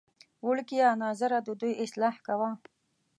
وړکیه ناظره ددوی اصلاح کوه.